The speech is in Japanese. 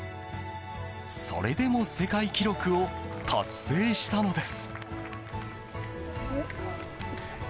それでも世界記録を達成したのです。